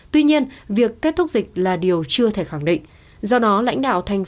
tuy nhiên việc kết thúc dịch là điều chưa thể khẳng định